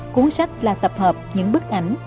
cuốn sách là tập hợp những bức ảnh